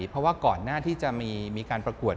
เพราะว่าก่อนหน้าที่จะมีการประกวด